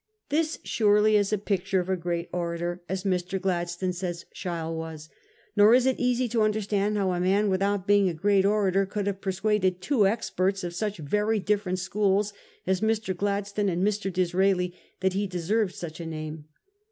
This surely is a picture of a great orator, as Mr. Gladstone says Sheil was. Nor is it easy to understand how a man with out being a great orator could have persuaded two experts of such very different schools, as Mr. Glad stone and Mr. Disraeli, that he deserved such a name.